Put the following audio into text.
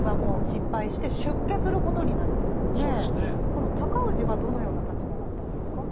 この尊氏はどのような立場だったんですか？